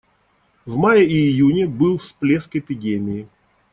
В мае и июне был всплеск эпидемии.